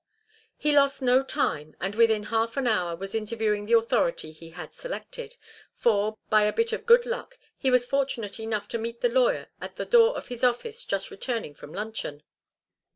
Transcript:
He lost no time, and within half an hour was interviewing the authority he had selected, for, by a bit of good luck, he was fortunate enough to meet the lawyer at the door of his office, just returning from luncheon.